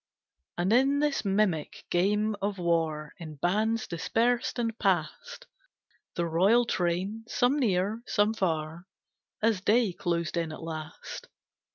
And in this mimic game of war In bands dispersed and past The royal train, some near, some far, As day closed in at last.